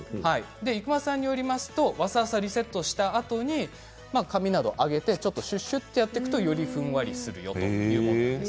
伊熊さんによりますとわさわさリセットしたあとに髪などを上げてちょっと、しゅっしゅとするとよりふんわりするということです。